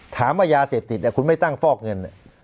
ถามว่ายาเสพติดคุณไม่ตั้งฟอกเงิน